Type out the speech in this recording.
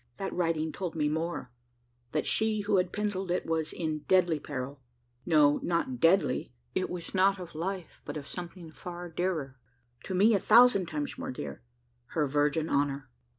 that writing told me more: that she who had pencilled it was in deadly peril. No not deadly: it was not of life; but of something fur dearer to me a thousand times more dear her virgin honour.